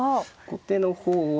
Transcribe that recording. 後手の方は。